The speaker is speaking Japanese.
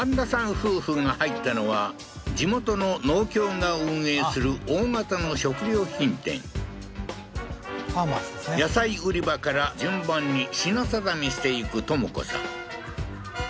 夫婦が入ったのは地元の農協が運営する大型の食料品店野菜売り場から順番に品定めしてゆく知子さん